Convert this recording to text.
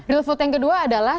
real food yang kedua adalah